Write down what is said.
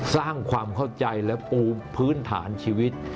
สร้างความเข้าใจและปูพื้นฐานชีวิต